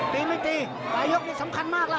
ตีไม่ตีปลายยกนี่สำคัญมากแล้ว